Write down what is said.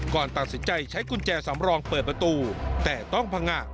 ก่อนตัดสินใจใช้กุญแจสำรองเปิดประตูแต่ต้องพังงะ